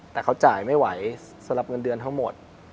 แต่เขาจ่ายไม่ไหวสำหรับเงินเดือนทั้งหมด